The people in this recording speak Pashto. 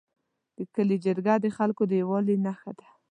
د کلي جرګه د خلکو د یووالي نښه ده.